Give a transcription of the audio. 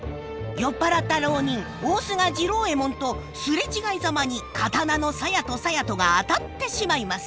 酔っ払った浪人大須賀次郎右衛門と擦れ違いざまに刀の鞘と鞘とが当たってしまいます。